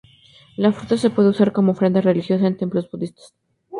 La fruta se puede usar como ofrenda religiosa en templos budistas.